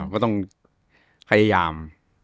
ก็ต้องพยายาม